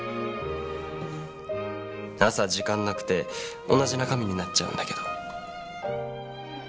朝時間なくて同じ中身になっちゃうんだけど。